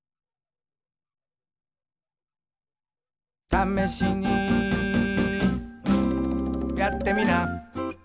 「ためしにやってみな」